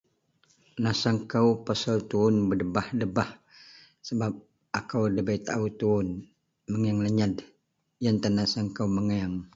Naseang kou pasel tuwon bedebah-bedebah sebab akou nda bei taao tuwon mengeng lenyed iyen tan naseang kou mengeng.